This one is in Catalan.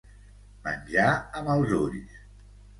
Menjar amb els ulls.